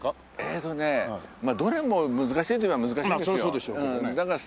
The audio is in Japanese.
まあどれも難しいといえば難しいんですよ。